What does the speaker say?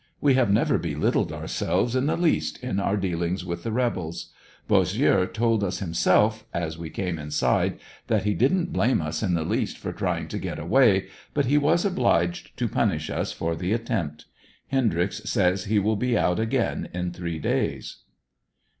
We have never belittled ourselves in the least in our dealings with the rebels. Bossieux told us himself, as we came inside, that he didn't blame us in the least for trying to get away, but he was obliged to punish us for the attempt. Hendryx says that he will be out again in three days.